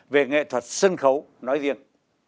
về nghệ thuật sân khấu nói riêng